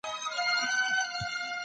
عقل د انسان لارښود دی